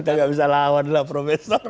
kita tidak bisa lawan prof